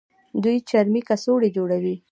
دوی چرمي کڅوړې جوړوي.